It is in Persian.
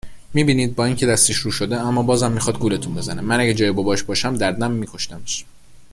می بینید؟ با اینکه دستش رو شده اما باز هم می خواد گولتون بزنه. من اگه جای باباش باشم در دم می کشتمش.